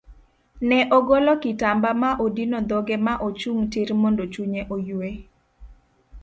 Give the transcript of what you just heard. Ne ogolo kitamba ma odino dhoge ma ochung tir mondo chunye oyue.